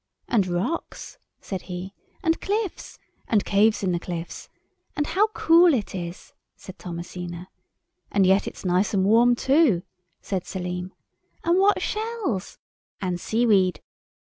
"And rocks," said he. "And cliffs." "And caves in the cliffs." "And how cool it is," said Thomasina. "And yet it's nice and warm too," said Selim. "And what shells!" "And seaweed."